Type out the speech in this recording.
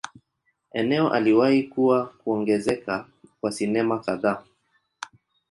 Eneo aliwahi kuwa kuongezeka kwa sinema kadhaa.